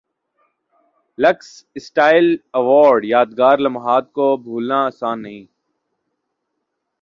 looks style award یادگار لمحات کو بھولنا اسان نہیں